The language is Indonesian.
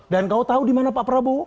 dan kau tahu di mana pak prabowo